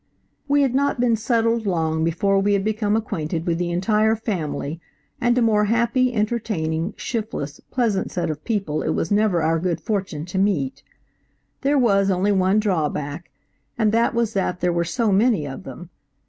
We had not been settled long before we had become acquainted with the entire family, and a more happy, entertaining, shiftless, pleasant set of people it was never our good fortune to meet. There was only one drawback, and that was that there were so many of them.